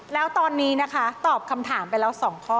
แล้วตอนนี้นะคะตอบคำถามไปแล้ว๒ข้อ